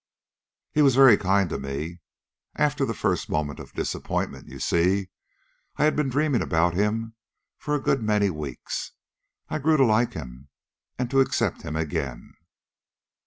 "He was very kind to me. After the first moment of disappointment you see, I had been dreaming about him for a good many weeks I grew to like him and accept him again.